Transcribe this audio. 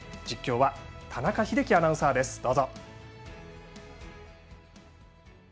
実況は田中秀樹アナウンサーです。